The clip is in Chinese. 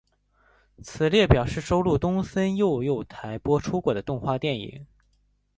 此列表示收录东森幼幼台播出过的动画电影。